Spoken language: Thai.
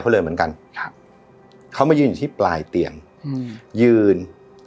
เขาเลยเหมือนกันครับเขามายืนอยู่ที่ปลายเตียงอืมยืน